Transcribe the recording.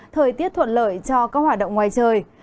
thời tiết thuận lợi cho các hoạt động ngoài trời